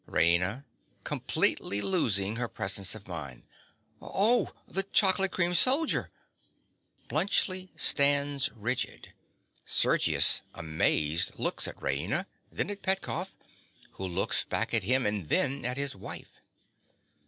_) RAINA. (completely losing her presence of mind). Oh, the chocolate cream soldier! (_Bluntschli stands rigid. Sergius, amazed, looks at Raina, then at Petkoff, who looks back at him and then at his wife.